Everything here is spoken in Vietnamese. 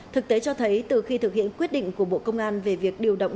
thực tế cho thấy từ khi thực hiện quyết định của bộ công an về việc điều động